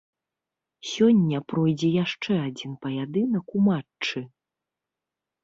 Сёння пройдзе яшчэ адзін паядынак у матчы.